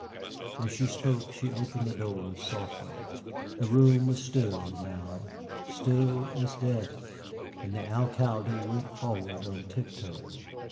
As she spoke she opened the door, softly. The room was still now, still as death, and the Alcalde went forward on tiptoe.